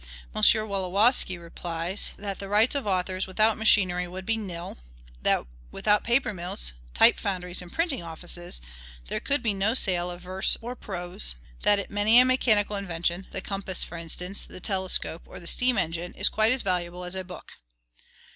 M. Wolowski replies, that the rights of authors, without machinery, would be nil; that, without paper mills, type foundries, and printing offices, there could be no sale of verse and prose; that many a mechanical invention, the compass, for instance, the telescope, or the steam engine, is quite as valuable as a book.